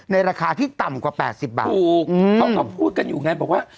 ในราคาที่ต่ำกว่าแปดสิบบาทถูกเพราะเขาพูดกันอยู่ไงบอกว่า